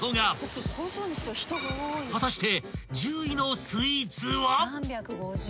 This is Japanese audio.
［果たして］